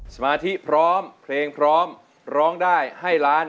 สมาธิพร้อมเพลงพร้อมร้องได้ให้ล้าน